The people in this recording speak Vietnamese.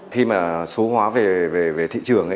khi mà số hóa về thị trường